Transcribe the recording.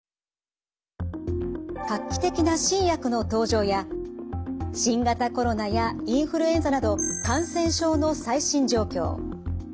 画期的な新薬の登場や新型コロナやインフルエンザなど感染症の最新状況。